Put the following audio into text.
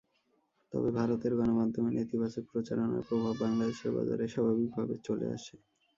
তবে ভারতের গণমাধ্যমে নেতিবাচক প্রচারণার প্রভাব বাংলাদেশের বাজারে স্বাভাবিকভাবে চলে আসে।